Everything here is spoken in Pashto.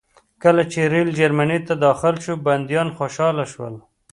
کله چې ریل جرمني ته داخل شو بندیان خوشحاله شول